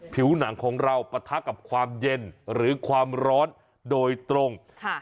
ผิวหนังของเราปะทะกับความเย็นหรือความร้อนโดยตรง